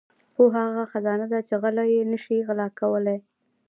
• پوهه هغه خزانه ده چې غله یې نشي غلا کولای.